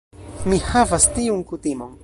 Mi havas tiun kutimon.